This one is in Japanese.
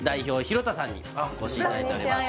廣田さんにお越しいただいております